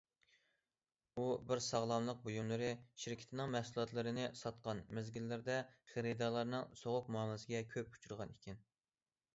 ئۇ بىر ساغلاملىق بۇيۇملىرى شىركىتىنىڭ مەھسۇلاتلىرىنى ساتقان مەزگىللەردە خېرىدارلارنىڭ سوغۇق مۇئامىلىسىگە كۆپ ئۇچرىغان ئىكەن.